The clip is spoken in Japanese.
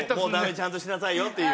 「ちゃんとしなさいよ」っていう。